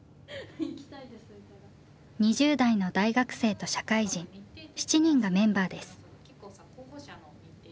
２０代の大学生と社会人７人がメンバーです。